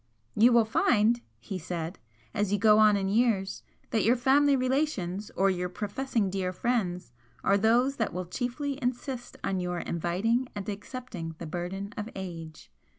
'You will find,' he said, 'as you go on in years, that your family relations, or your professing dear friends, are those that will chiefly insist on your inviting and accepting the burden of age.